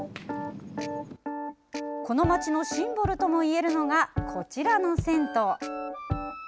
この街のシンボルともいえるのがこちらの銭湯。